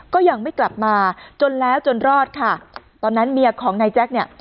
ก็ยังไม่กลับมาจนแล้วจนรอดค่ะตอนนั้นเมียของนายแจ๊คเนี่ย